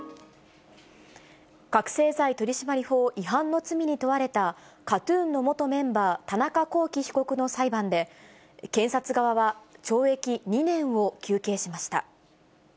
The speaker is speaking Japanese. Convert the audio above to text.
覚醒剤取締法違反の罪に問われたＫＡＴーＴＵＮの元メンバー、田中聖被告の裁判で、検察側は懲役２年を求刑しました。